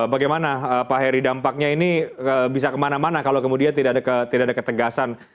bagaimana pak heri dampaknya ini bisa kemana mana kalau kemudian tidak ada ketegasan